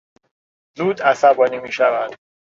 زود عصبانی میشود.